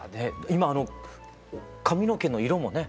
今あの髪の毛の色もね。